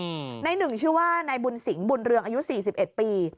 นี่แหละในนึ่งชื่อว่านายบุญสิงบุญเรืองอายุสี่สิบเอ็ดปี